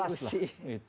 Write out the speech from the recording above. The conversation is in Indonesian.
nah ada evolusi